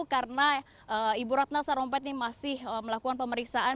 karena ibu ratna sorumpait ini masih melakukan pemeriksaan